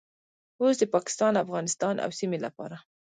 اوس د پاکستان، افغانستان او سیمې لپاره